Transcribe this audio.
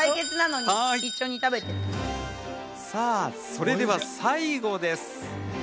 それでは最後です。